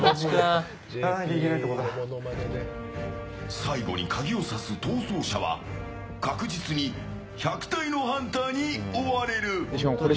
最後にカギを挿す逃走者は確実に１００体のハンターに追われる。